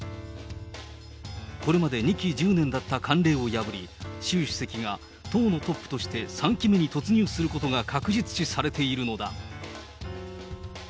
これまで２期１０年だった慣例を破り、習主席が党のトップとして３期目に突入することが確実視されているのだ。